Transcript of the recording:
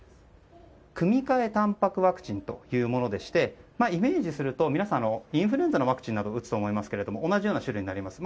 組換えタンパクワクチンというものでしてイメージすると皆さんインフルエンザのワクチンなどを打つと思いますが同じような種類になります。